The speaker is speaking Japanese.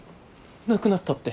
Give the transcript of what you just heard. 亡くなったって。